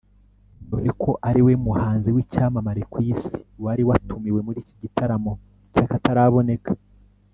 dore ko ari we muhanzi w’icyamamare ku isi wari watumiwe muri iki gitaramo cy’akataraboneka